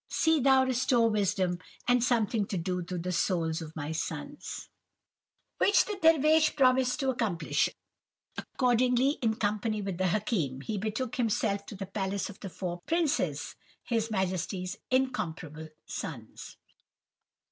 See thou restore wisdom and something to do to the souls of my sons.' "Which the Dervish promised to accomplish, accordingly in company with the Hakim, he betook himself to the palace of the four princes, his Majesty's incomparable sons.